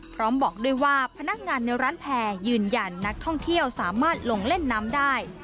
บอกด้วยว่าพนักงานในร้านแพร่ยืนยันนักท่องเที่ยวสามารถลงเล่นน้ำได้